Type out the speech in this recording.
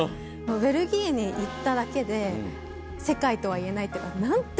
ベルギーに行っただけで世界とはいえないっていうかなんて